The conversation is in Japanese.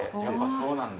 そうなんだ。